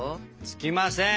つきません！